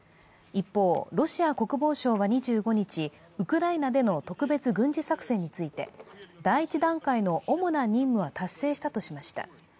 一方、ロシア国防省は２５日、ウクライナでの特別軍事作戦について、第１段階の主な任務は達成したとしました。